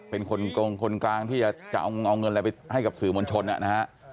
เป็นคนกลางที่จะเอาเงินอะไรไปให้กับสื่อมวลชนนะฮะ